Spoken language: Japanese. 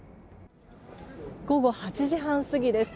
午後８時半過ぎです。